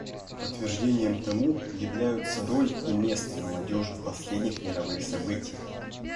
Подтверждением тому являются роль и место молодежи в последних мировых событиях.